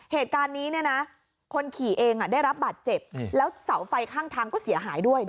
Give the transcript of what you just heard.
เหตุการณ์นี้เนี่ยนะคนขี่เองได้รับบาดเจ็บแล้วเสาไฟข้างทางก็เสียหายด้วย